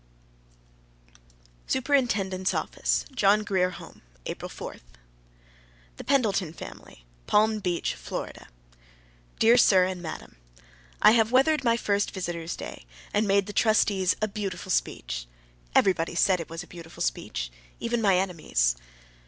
SUPERINTENDENT'S OFFICE, JOHN GRIER HOME, April 4. THE PENDLETON FAMILY, Palm Beach, Florida. Dear Sir and Madam: I have weathered my first visitors' day, and made the trustees a beautiful speech. Everybody said it was a beautiful speech even my enemies.